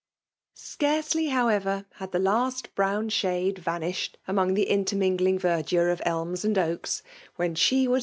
Scarcely^ however^ had the last brown shaiiB' i/^iahed among the intermingling TieaBdiixe of elBU» and' oaks^ when she was.